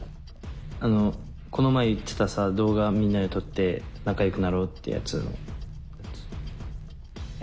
あのこの前言ってたさ動画みんなで撮って仲良くなろうってやつの。え？